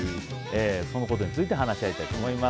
そのことについて話し合いたいと思います。